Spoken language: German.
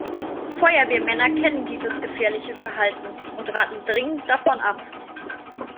Feuerwehrmänner kennen dieses gefährliche Verhalten und raten dringend davon ab.